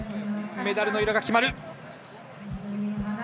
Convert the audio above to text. メダルの色が決まる。